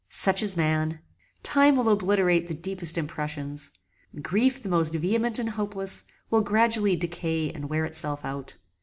Such is man. Time will obliterate the deepest impressions. Grief the most vehement and hopeless, will gradually decay and wear itself out.